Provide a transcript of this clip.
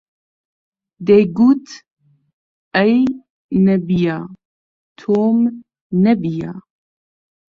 دەیگوت: ئەی نەبیە، تۆم نەبییە